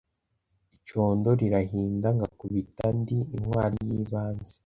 icondo rirahinda ngakubita ndi intwari yibanze